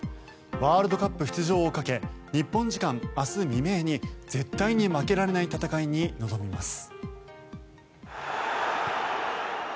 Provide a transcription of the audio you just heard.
ワールドカップ出場をかけ日本時間明日未明に絶対に負けられない戦いに臨みます。